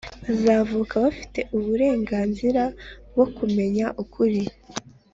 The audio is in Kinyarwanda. bazavuka bafite uburenganzira bwo kumenya ukuri